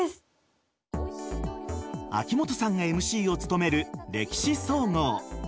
秋元さんがＭＣを務める「歴史総合」。